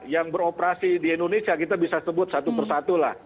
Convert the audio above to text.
yang beroperasi di indonesia kita bisa sebut satu persatu lah